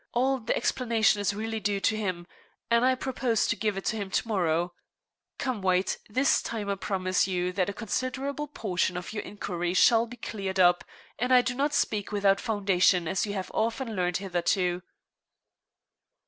All the explanation is really due to him, and I propose to give it to him to morrow. Come, White, this time I promise you that a considerable portion of your inquiry shall be cleared up, and I do not speak without foundation, as you have often learned hitherto."